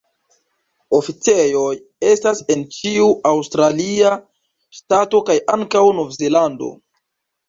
Oficejoj estas en ĉiu aŭstralia ŝtato kaj ankaŭ Nov-Zelando.